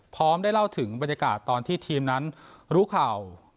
พร้อมได้เล่าถึงบรรยากาศตอนที่ทีมนั้นรู้ข่าว